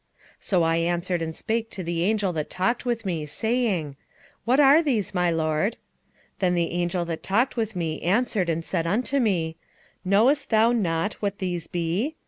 4:4 So I answered and spake to the angel that talked with me, saying, What are these, my lord? 4:5 Then the angel that talked with me answered and said unto me, Knowest thou not what these be?